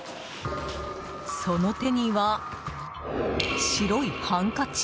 その手には白いハンカチ。